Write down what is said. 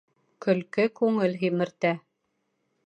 Көлкө күңел һимертә.